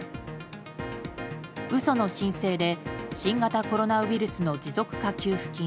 嘘の申請で新型コロナウイルスの持続化給付金